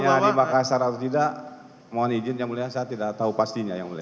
ya di makassar atau tidak mohon izin yang mulia saya tidak tahu pastinya yang mulia